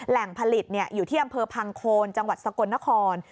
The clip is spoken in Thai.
แหล่งผลิตอยู่ที่อำเภอพังโคนจังหวัดสกลนคร